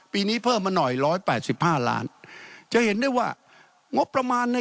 ปีนี้เพิ่มมาหน่อย๑๘๕ล้านฯ